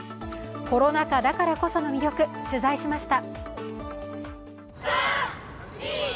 コロナ禍だからこその魅力、取材しました。